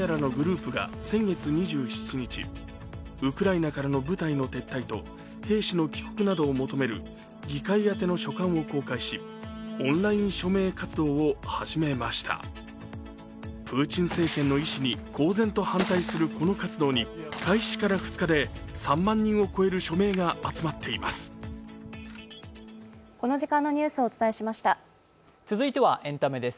プーチン政権の意思に公然と反対するこの活動に開始から２日で３万人を超える署名が集まっています。